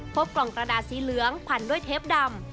พบกล่องกระดาษสีเหลืองพันด้วยเทปดำ